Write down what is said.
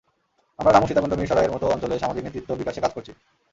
আমরা রামু, সীতাকুণ্ড, মিরসরাইয়ের মতো অঞ্চলে সামাজিক নেতৃত্ব বিকাশে কাজ করছি।